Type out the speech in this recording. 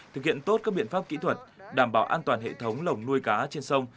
thực hiện tốt các biện pháp kỹ thuật đảm bảo an toàn hệ thống lồng nuôi cá trên sông